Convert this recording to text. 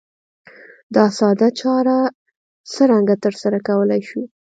دا ساده چاره څرنګه ترسره کولای شو؟